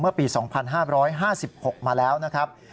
เมื่อปี๒๕๕๖มาแล้วนะครับ